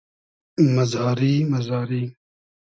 مئزاری مئزاری